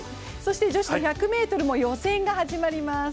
女子１００ｍも予選が始まります。